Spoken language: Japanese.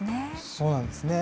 そうなんですね。